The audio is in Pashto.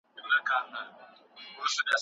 نه سېلونه هر آواز ته سی راتللای